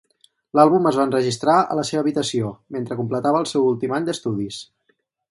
L'àlbum es va enregistrar a la seva habitació, mentre completava el seu últim any d'estudis.